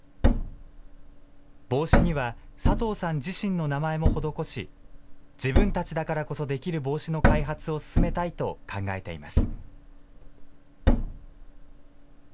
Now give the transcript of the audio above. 帽子には佐藤さん自身の名前も施し、自分たちだからこそできる帽子の開発を進めたいと考えています。